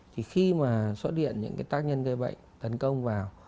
thì khi mà xóa điện những tác nhân cây bệnh tấn công vào